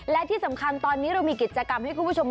และที่สำคัญตอนนี้เรามีกิจกรรมให้คุณผู้ชม